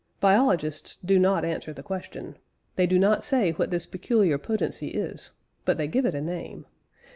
Biologists do not answer the question; they do not say what this peculiar potency is, but they give it a name.